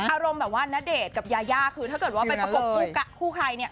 อารมณ์แบบว่าณเดชน์กับยายาคือถ้าเกิดว่าไปประกบคู่ใครเนี่ย